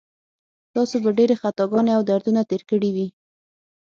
تاسو به ډېرې خطاګانې او دردونه تېر کړي وي.